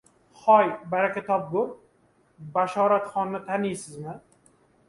— Hoy, baraka topgur, Bashoratxonni tanimaysizmi?